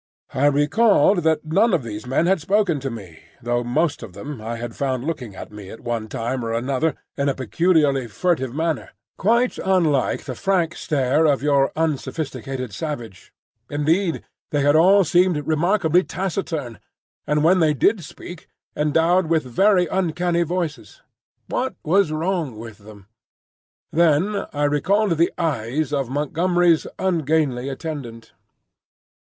I recalled that none of these men had spoken to me, though most of them I had found looking at me at one time or another in a peculiarly furtive manner, quite unlike the frank stare of your unsophisticated savage. Indeed, they had all seemed remarkably taciturn, and when they did speak, endowed with very uncanny voices. What was wrong with them? Then I recalled the eyes of Montgomery's ungainly attendant.